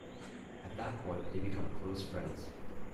At that point, they become close friends.